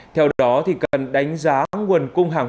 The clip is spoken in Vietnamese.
theo đó cần đánh giá nguồn cung hàng